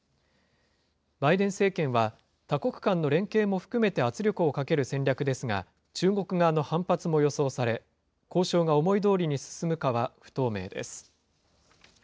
バイデン政権は、多国間の連携も含めて圧力をかける戦略ですが、中国側の反発も予想され、交渉が思いどおりに進むかは不透明です。